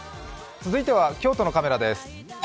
続いては京都のカメラです。